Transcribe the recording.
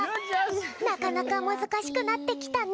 なかなかむずかしくなってきたね。